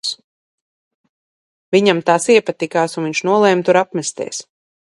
Viņam tās iepatikās un viņš nolēma tur apmesties.